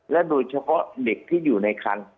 โดยเฉพาะเด็กที่อยู่ในคัน